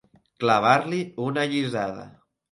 Clavar-li una allisada.